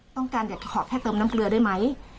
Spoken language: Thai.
ต้องการอยากจะขอแค่เติมน้ำเกลือได้ไหม